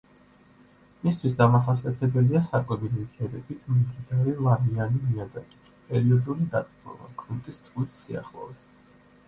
მისთვის დამახასიათებელია საკვები ნივთიერებით მდიდარი ლამიანი ნიადაგი, პერიოდული დატბორვა, გრუნტის წყლის სიახლოვე.